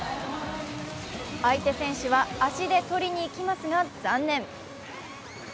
相手選手は足で取りにいきますが残念。